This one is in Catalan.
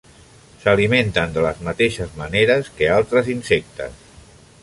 S'alimenten de les mateixes maneres que altres insectes.